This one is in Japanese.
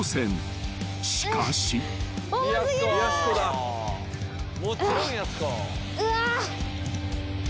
［しかし］うわ。